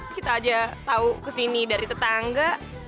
kita aja tau kesini dari tetangga